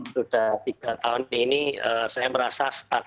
sudah tiga tahun ini saya merasa stuck